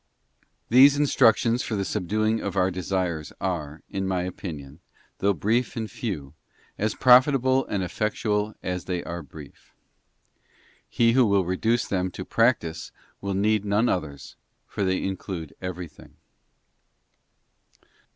These instructions for the subduing of our desires are, in my opinion, though brief and few, as profitable and effectual as they are brief. He who will reduce them to practice will need none others, for they include everything.